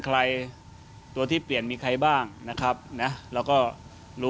กุญสือทีมชาติไทยเปิดเผยว่าน่าจะไม่มีปัญหาสำหรับเกมในนัดชนะเลิศครับ